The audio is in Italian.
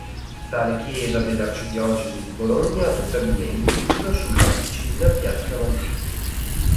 Tale chiesa della Arcidiocesi di Bologna ha tuttavia indirizzo sulla vicina Piazza Malpighi